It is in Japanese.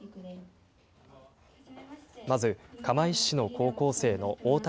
まず釜石市の高校生の大瀧